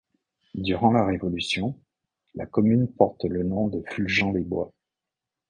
Durant la Révolution, la commune porte le nom de Fulgent-les-Bois.